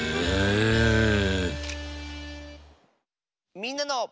「みんなの」。